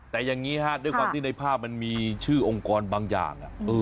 แต่อย่างนี้ฮะด้วยความที่ในภาพมันมีชื่อองค์กรบางอย่าง